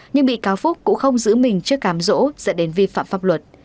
nhưng bị cáo phúc cũng không giữ mình trước cám rỗ dẫn đến vi phạm pháp luật